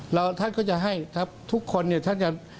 แล้วท่านก็จะให้ทุกคนเนี่ยท่านจะ